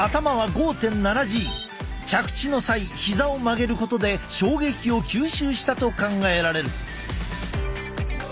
着地の際ひざを曲げることで衝撃を吸収したと考えられる。